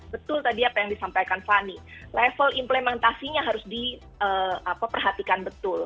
betul tadi apa yang disampaikan fani level implementasinya harus diperhatikan betul